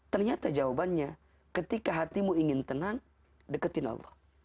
ternyata jawabannya ketika hatimu ingin tenang deketin allah